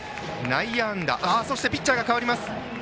そしてピッチャーが代わります。